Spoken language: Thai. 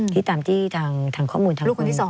ที่ตามที่ทางข้อมูลทางคุณ